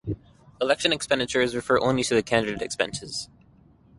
Election expenditures refer only to candidate expenses.